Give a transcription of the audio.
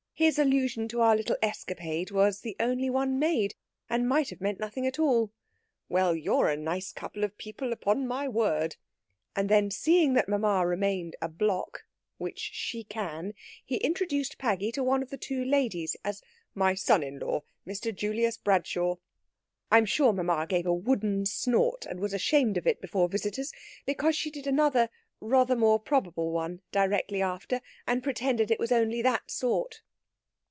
His allusion to our little escapade was the only one made, and might have meant nothing at all. 'Well, you're a nice couple of people, upon my word!' and then, seeing that mamma remained a block (which she can), he introduced Paggy to one of the two ladies as 'My son in law, Mr. Julius Bradshaw.' I'm sure mamma gave a wooden snort and was ashamed of it before visitors, because she did another rather more probable one directly after, and pretended it was only that sort.